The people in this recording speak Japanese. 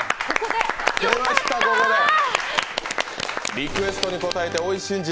リクエストに応えておいしんじ！